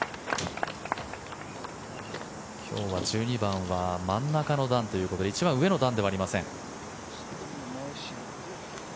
今日は１２番は真ん中の段ということで一番上の段ではありません。